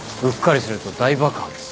うっかりすると大爆発。